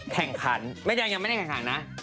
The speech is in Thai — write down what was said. แข่งขันยังไม่ได้แข่งขันนะ